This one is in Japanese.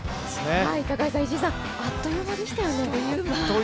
高橋さん、石井さん、あっという間でしたよね。